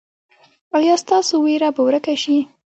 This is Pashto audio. ایا ستاسو ویره به ورکه شي؟